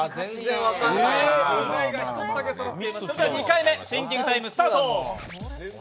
２回目、シンキングタイムスタート。